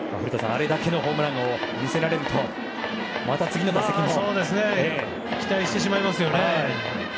あれだけのホームランを見せられると期待してしまいますね。